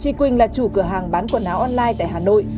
chị quỳnh là chủ cửa hàng bán quần áo online tại hà nội